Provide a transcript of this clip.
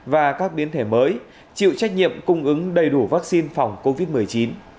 và các biến thể mới chịu trách nhiệm cung ứng đầy đủ vaccine phòng covid một mươi chín